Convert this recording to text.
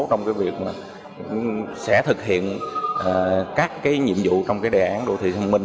trong cái việc sẽ thực hiện các cái nhiệm vụ trong cái đề án đô thị thông minh